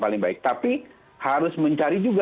paling baik tapi harus mencari juga